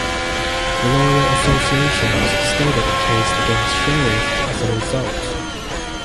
The Lawyer's Association stated a case against Sharif as a result.